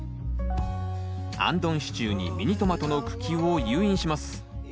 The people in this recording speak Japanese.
あんどん支柱にミニトマトの茎を誘引します。